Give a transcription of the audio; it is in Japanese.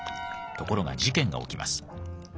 ところが事件が起きます。